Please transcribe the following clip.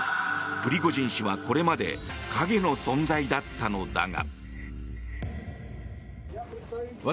プリゴジン氏はこれまで影の存在だったのだが。